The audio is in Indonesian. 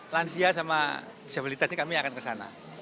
lansia sama disabilitasnya kami akan kesana